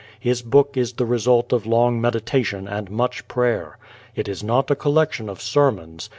His book is the result of long meditation and much prayer. It is not a collection of sermons.